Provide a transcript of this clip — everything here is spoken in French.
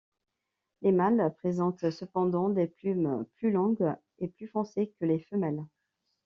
Les mâles présentent cependant des plumes plus longues et plus foncées que les femelles.